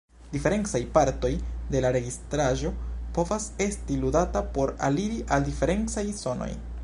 Diferencaj partoj de la registraĵo povas esti ludata por aliri al diferencaj sonoj.